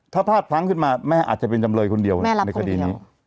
ถ้าพลาดพลั้งขึ้นมาแม่อาจจะเป็นจำเลยคนเดียวในคดีนี้